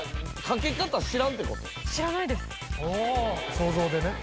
想像でね。